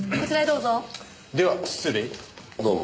どうも。